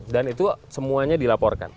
dan itu semuanya dilaporkan